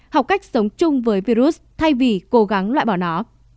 học cách sống chung với virus thay vì cố gắng loại bỏ nó